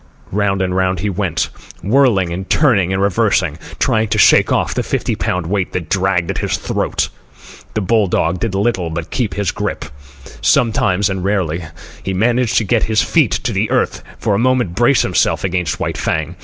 Round and round he went, whirling and turning and reversing, trying to shake off the fifty pound weight that dragged at his throat. The bull dog did little but keep his grip. Sometimes, and rarely, he managed to get his feet to the earth and for a moment to brace himself against White Fang.